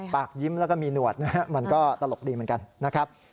ปากยิ้มแล้วก็มีหนวดนะฮะมันก็ตลกดีเหมือนกันนะครับ